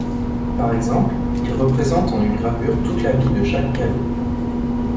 Par exemple, il représente en une gravure toute la vie de Jacques Callot.